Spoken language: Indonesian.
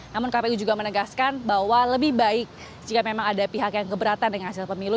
namun kpu juga menegaskan bahwa lebih baik jika memang ada pihak yang keberatan dengan hasil pemilu